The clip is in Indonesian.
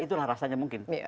itulah rasanya mungkin